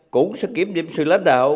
cũng sẽ kiểm điểm sự lãnh đạo